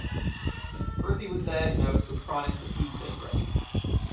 Percy was diagnosed with chronic fatigue syndrome.